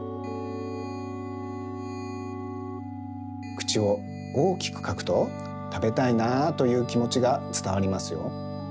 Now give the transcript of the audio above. くちをおおきくかくと「たべたいなあ」というきもちがつたわりますよ。